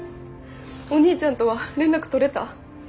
お兄ちゃんとは連絡取れた？